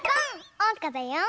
おうかだよ！